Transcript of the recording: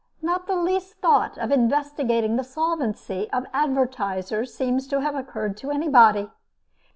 Not the least thought of investigating the solvency of advertisers seems to have occurred to anybody.